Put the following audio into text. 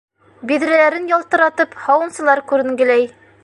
Биҙрәләрен ялтыратып, һауынсылар күренгеләй.